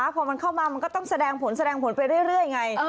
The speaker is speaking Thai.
พอมันเข้ามามันก็ต้องแสดงผลแสดงผลไปเรื่อยไง